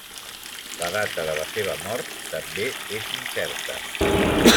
La data de la seva mort també és incerta.